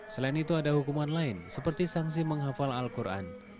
selain itu ada hukuman lain seperti sanksi menghafal al quran